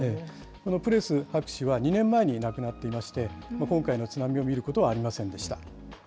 プレス博士は２年前に亡くなっていまして、今回の津波を見ることはありませんでした。